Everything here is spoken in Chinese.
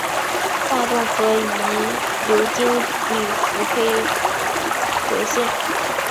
大洞河亦流经比弗黑德县。